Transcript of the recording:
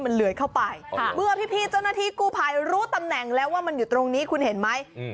เมื่อพี่เจ้าหน้าที่กูภัยรู้ตำแหน่งแล้วว่ามันอยู่ตรงนี้คุณเห็นไหม